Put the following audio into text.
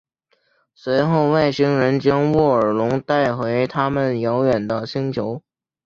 随后外星人将沃尔隆带回他们遥远的星球。